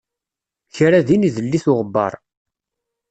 Kra din idel-it uɣebbar.